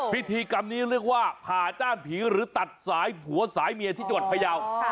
พิธีกรรมนี้เรียกว่าผ่าจ้านผีหรือตัดสายผัวสายเมียที่จังหวัดพยาว